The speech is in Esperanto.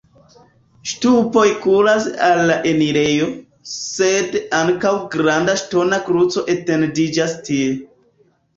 Ŝtupoj kuras al la enirejo, sed ankaŭ granda ŝtona kruco etendiĝas tie.